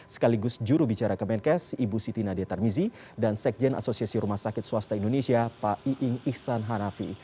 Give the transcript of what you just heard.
sekaligus juru bicara kemenkes ibu siti nadia tarmizi dan sekjen asosiasi rumah sakit swasta indonesia pak iing ihsan hanafi